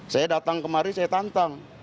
saya datang kemari saya tantang